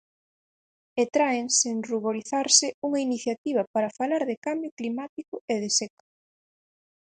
E traen sen ruborizarse unha iniciativa para falar de cambio climático e de seca.